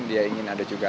dia ingin ada juga